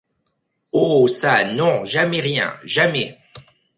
Oh! ça, non, jamais rien, jamais !